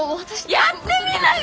やってみなよ！